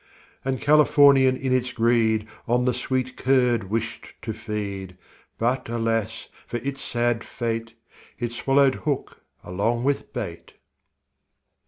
And Californian in its greed, On the sweet curd wished to feed; But, alas, for it's sad fate, It swallowed hook along with bait.